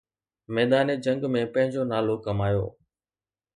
ميدان جنگ ۾ پنهنجو نالو ڪمايو.